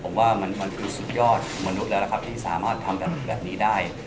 ผมว่ามันคือสุดยอดมนุษย์แล้วล่ะครับที่สามารถทำแบบนี้ได้